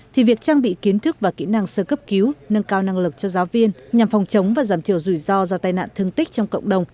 thì việc trang bị kiến thức và kỹ năng sơ cấp cứu nâng cao năng lực cho giáo viên nhằm phòng chống và giảm thiểu rủi ro do tai nạn thương tích trong cộng đồng